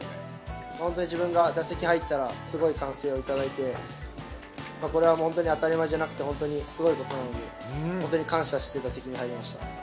本当に自分が打席入ったら、すごい歓声をいただいて、これは本当に当り前じゃなくて、本当にすごいことなんだと、本当に感謝して打席に入りました。